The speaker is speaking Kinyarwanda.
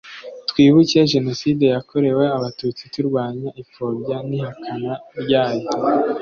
twibuke jenoside yakorewe abatutsi turwanya ipfobya n ihakana ryayo